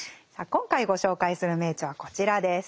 今回ご紹介する名著はこちらです。